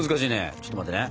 ちょっと待ってね。